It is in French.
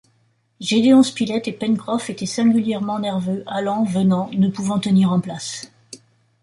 Gédéon Spilett et Pencroff étaient singulièrement nerveux, allant, venant, ne pouvant tenir en place